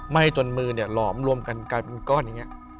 ้จนมือเนี่ยหลอมรวมกันกลายเป็นก้อนอย่างนี้